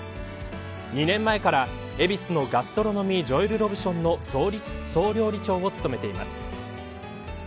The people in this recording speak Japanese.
２年前から恵比寿のガストロノミージョエル・ロブションの総料理長を務めています。